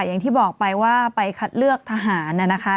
อย่างที่บอกไปว่าไปคัดเลือกทหารนะคะ